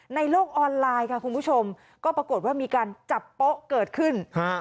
ในโลกออนไลน์ค่ะคุณผู้ชมก็ปรากฏว่ามีการจับโป๊ะเกิดขึ้นฮะ